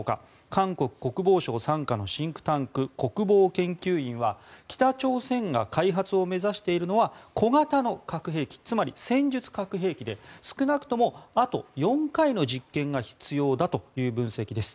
韓国国防省傘下のシンクタンク国防研究院は北朝鮮が開発を目指しているのは小型の核兵器つまり戦術核兵器で少なくともあと４回の実験が必要だという分析です。